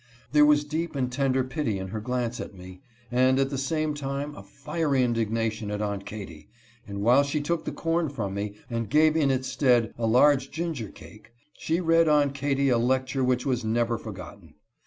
There was deep and tender pity in her glance at me, and, at the same moment, a fiery indignation at Aunt Katy, and while she took the corn from me, and gave in its stead a large ginger cake, she read Aunt Katy a lecture which was never forgotten.